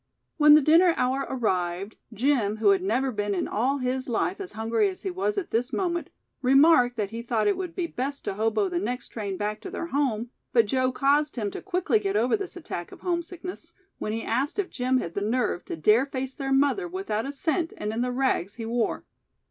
When the dinner hour arrived, Jim, who had never been in all his life as hungry as he was at this moment, remarked that he thought it would be best to hobo the next train back to their home, but Joe caused him to quickly get over this attack of homesickness, when he asked if Jim had the nerve to dare face their mother without a cent and in the rags he wore.